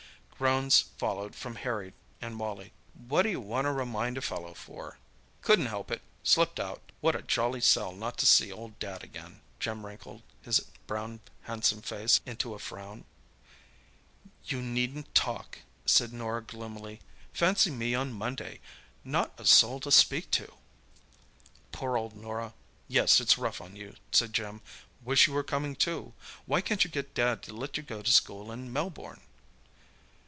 Groans followed from Harry and Wally. "What do you want to remind a fellow for?" "Couldn't help it—slipped out. What a jolly sell not to see old Dad again!" Jim wrinkled his brown handsome face into a frown. "You needn't talk!" said Norah gloomily. "Fancy me on Monday—not a soul to speak to." "Poor old Norah—yes, it's rough on you," said Jim. "Wish you were coming too. Why can't you get Dad to let you go to school in Melbourne?"